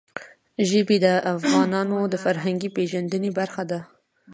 ژبې د افغانانو د فرهنګي پیژندنې برخه ده.